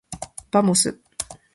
ばもす。